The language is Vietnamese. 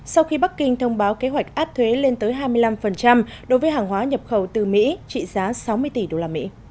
sau khi bắc kinh thông báo kế hoạch áp thuế lên tới hai mươi năm đối với hàng hóa nhập khẩu từ mỹ trị giá sáu mươi tỷ usd